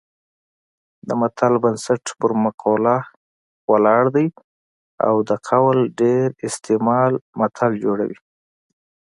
د متل بنسټ پر مقوله ولاړ دی او د قول ډېر استعمال متل جوړوي